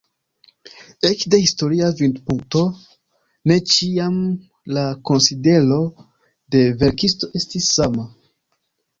Ekde historia vidpunkto ne ĉiam la konsidero de verkisto estis sama.